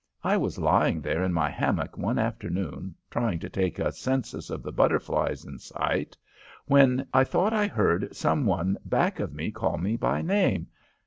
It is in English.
"I was lying there in my hammock one afternoon trying to take a census of the butterflies in sight, when I thought I heard some one back of me call me by name.